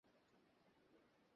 জানি না কীভাবে নিখোঁজ হয়ে গেল।